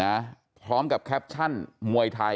นะพร้อมกับแคปชั่นมวยไทย